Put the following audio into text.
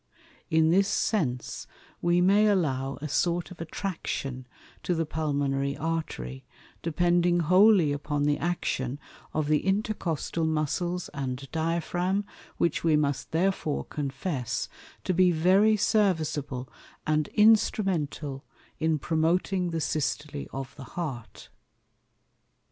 In this Sense we may allow a sort of Attraction to the Pulmonary Artery, depending wholly upon the Action of the Intercostal Muscles and Diaphragm, which we must therefore confess to be very serviceable and instrumental in promoting the Systole of the Heart.